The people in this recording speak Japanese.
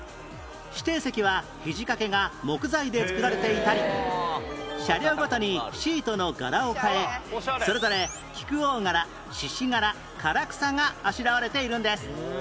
指定席はひじ掛けが木材で作られていたり車両ごとにシートの柄を変えそれぞれ菊大柄獅子柄唐草があしらわれているんです